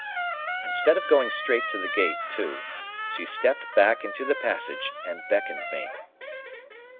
Instead of going straight to the gate, too, she stepped back into the passage, and beckoned me.